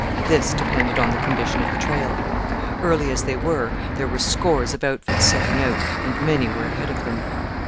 This depended on the condition of the trail. Early as they were, there were scores of outfits setting out, and many were ahead of them.